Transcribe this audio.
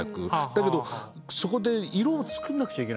だけどそこで色を作んなくちゃいけないんですよね。